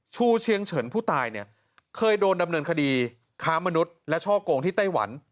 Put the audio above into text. ชูเชียงเฉินผู้ตายเนี่ยเคยโดนดำเนินคดีค้ามนุษย์และช่อกงที่ไต้หวัน